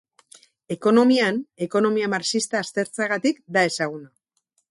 Ekonomian, ekonomia marxista aztertzeagatik da ezaguna.